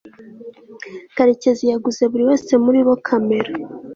karekezi yaguze buri wese muri bo kamera